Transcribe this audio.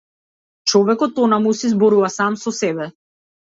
Човекот онаму си зборува сам со себе.